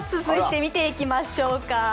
続いて見ていきましょうか。